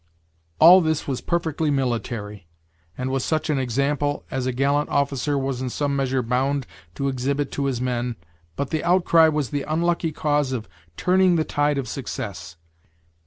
All this was perfectly military, and was such an example as a gallant officer was in some measure bound to exhibit to his men but the outcry was the unlucky cause of turning the tide of success.